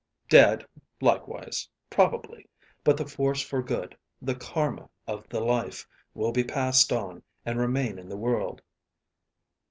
"Dead likewise, probably; but the force for good, the Karma of the life, will be passed on and remain in the world."